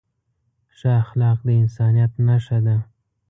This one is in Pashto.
ښه اخلاق د انسانیت نښه ده.